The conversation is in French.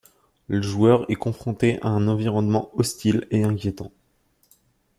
Le joueur est confronté à un environnement hostile et inquiétant.